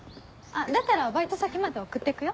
だったらバイト先まで送ってくよ。